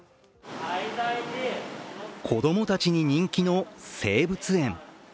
子供たちに人気の生物園。